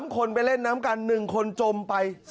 ๓คนไปเล่นน้ำกัน๑คนจมไป